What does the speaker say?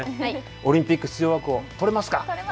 オリンピック出場枠を取れますか？